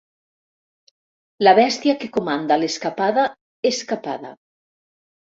La bèstia que comanda l'escapada és capada.